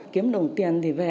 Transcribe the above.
kiếm đồng tiền thì về